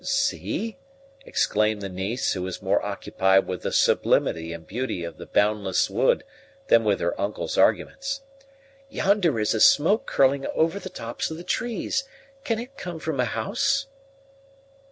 "See!" exclaimed the niece, who was more occupied with the sublimity and beauty of the "boundless wood" than with her uncle's arguments; "yonder is a smoke curling over the tops of the trees can it come from a house?"